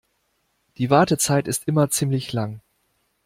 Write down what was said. Die Wartezeit ist immer ziemlich lang.